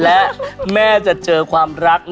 และแม่จะเจอความรัก